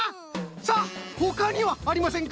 さあほかにはありませんか？